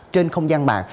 trên không gian mạng